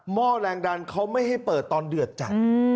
ห้อแรงดันเขาไม่ให้เปิดตอนเดือดจัด